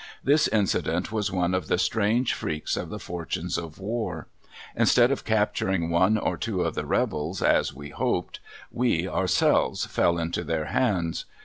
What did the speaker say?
This incident was one of the strange freaks of the fortunes of war. Instead of capturing one or two of the rebels, as we hoped, we, ourselves, fell into their hands.